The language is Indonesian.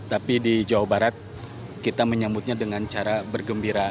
tapi di jawa barat kita menyambutnya dengan cara bergembira